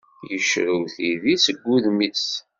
Yecrew tidi seg udem-is.